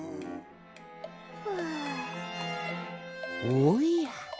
おや。